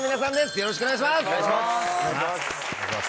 よろしくお願いします！